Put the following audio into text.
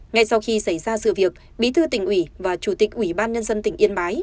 ngay sau khi xảy ra sự việc bí thư tỉnh ủy và chủ tịch ủy ban nhân dân tỉnh yên bái